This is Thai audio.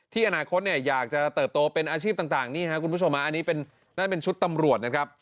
อนาคตเนี่ยอยากจะเติบโตเป็นอาชีพต่างนี่ครับคุณผู้ชมอันนี้นั่นเป็นชุดตำรวจนะครับ